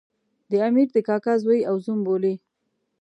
د امیر د کاکا زوی او زوم بولي.